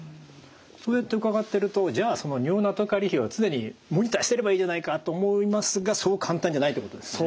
そうやって伺ってるとじゃあその尿ナトカリ比を常にモニターしてればいいじゃないかと思いますがそう簡単じゃないってことですね。